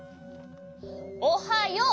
おはよう！